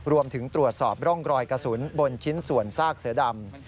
รวมถึงตรวจสอบร่องรอยกระสุนบนชิ้นส่วนซากเสือดำ